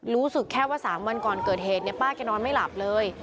รู้สึกแค่ว่า๓วันก่อนเกิดเหตุเนี่ยป้าแกนอนไม่หลับเลย